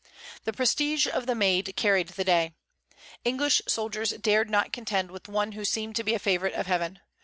The prestige of the Maid carried the day. The English soldiers dared not contend with one who seemed to be a favorite of Heaven.